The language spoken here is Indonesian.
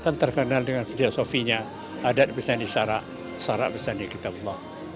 akan terkenal dengan filosofinya adat pesani syarak syarak pesani kitab allah